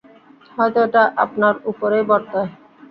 হয়তো এটা আপনার উপরেই বর্তায়।